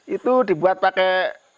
itu dibuat pakai